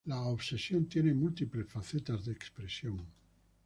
La obsesión tiene múltiples facetas de expresión.